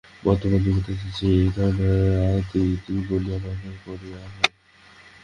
বর্তমান যুগে দেখিতেছি, এই ধারণাকে অতি হীন বলিয়া মনে করা হয়।